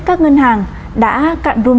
các ngân hàng đã cạn rung